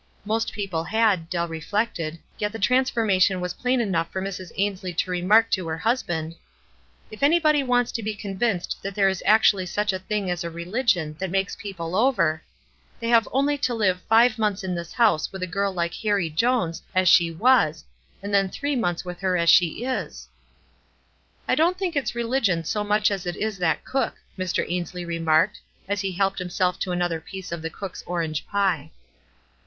"Most people had," Dell reflected ; yet the transformation was plain enough for Mrs. Ainslie to remark to her hus band, —" If anybody wants to be convinced that there is actually such a thing as a religion that makes people over, they have only to live five months in the house with a girl like Harrie Jones as she was, and then three months with her as she ig," "I don't think it's religion so much as it is that cook," Mr. Ainslie remarked, as he helped himself to another piece of the cook's orange pie.